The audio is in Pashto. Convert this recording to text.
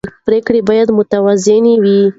پرېکړې باید متوازنې وي